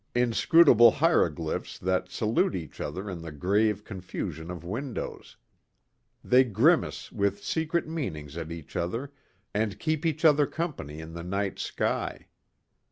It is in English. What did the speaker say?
Inscrutable hieroglyphs that salute each other in the grave confusion of windows. They grimace with secret meanings at each other and keep each other company in the night sky.